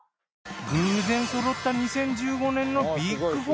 偶然そろった２０１５年のビッグ４。